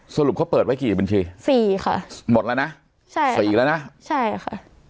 สรุปเขาเปิดไว้กี่บัญชี๔ค่ะหมดแล้วนะ๔แล้วนะใช่ค่ะ